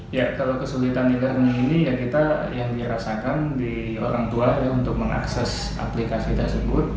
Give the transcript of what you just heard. kalau kesulitan e learning ini kita yang dirasakan orang tua untuk mengakses aplikasi tersebut